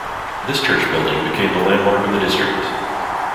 This church building became the landmark of the district.